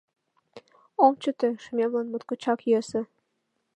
«Ом чыте, шӱмемлан моткочак йӧсӧ...»